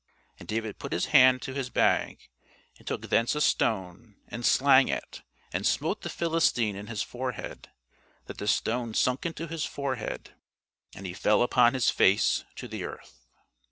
And David put his hand to his bag, and took thence a stone, and slang it, and smote the Philistine in his forehead, that the stone sunk into his forehead; and he fell upon his face to the earth.